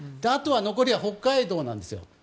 あとは残りは北海道なんですよ。